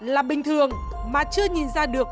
là bình thường mà chưa nhìn ra được